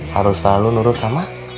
harus selalu nurut sama